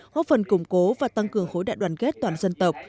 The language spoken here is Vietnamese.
hỗ phần củng cố và tăng cường hối đại đoàn kết toàn dân tộc